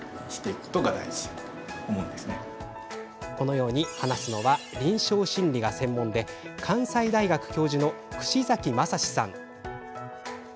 そう話すのは、臨床心理が専門で関西大学教授の串崎真志さん。